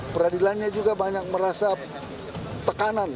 peradilannya juga banyak merasa tekanan